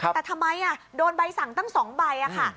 แต่ทำไมอ่ะโดนใบสั่งตั้งสองใบอ่ะค่ะ